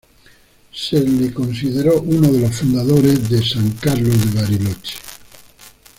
Se lo consideró un de los fundadores de San Carlos de Bariloche.